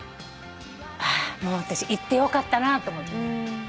あ私行ってよかったなと思って。